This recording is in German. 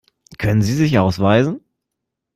Können Sie sich ausweisen?